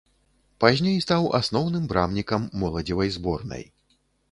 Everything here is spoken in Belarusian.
Пазней стаў асноўным брамнікам моладзевай зборнай.